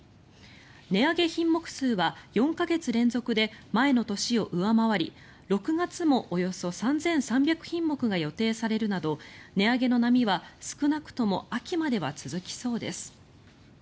値上げ品目数は４か月連続で前の年を上回り、６月もおよそ３３００品目が予定されるなど値上げの波は少なくとも秋までは続きそうです。